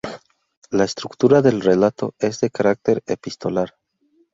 La estructura del relato es de carácter epistolar.